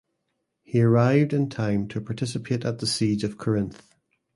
He arrived in time to participate at the Siege of Corinth.